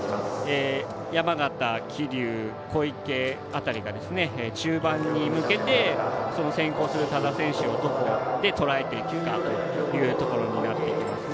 山縣、桐生、小池辺りが中盤に向けて先行する多田選手をどこで、とらえていくかというところになってきますね。